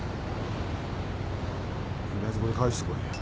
とりあえずこれ返してこいよ。